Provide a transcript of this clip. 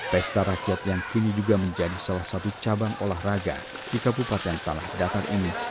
pesta rakyat yang kini juga menjadi salah satu cabang olahraga di kabupaten tanah datar ini